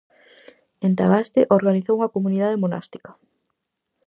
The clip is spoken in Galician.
En Tagaste organizou unha comunidade monástica.